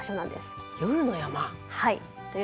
はい。